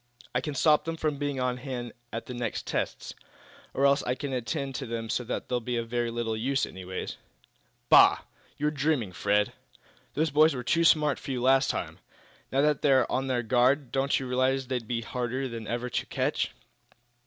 "I can stop them from being on hand at the next tests. Or else I can attend to them so that they'll be of very little use, anyway." "Bah! You're dreaming, Fred! The boys were too smart for you last time; Now that they're on their guard, don't you realize they'd be harder than ever to catch."